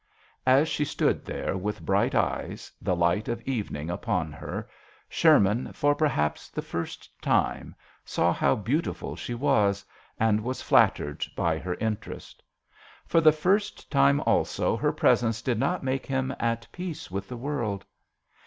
As she stood there with bright eyes, the light of evening about her, Sherman for perhaps the first time saw how beautiful she was, and was flattered by her interest. For the first time also her presence did not make him at peace with the world.